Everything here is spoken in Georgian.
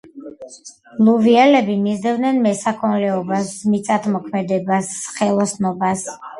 ლუვიელები მისდევდნენ მესაქონლეობას, მიწათმოქმედებას, ხელოსნობას.